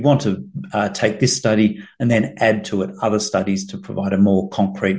untuk memberikan dasar yang lebih konkrit